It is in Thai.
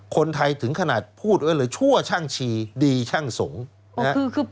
คนไทยถึงขนาดพูดชั่วช่างชีดีช่างสงฆ์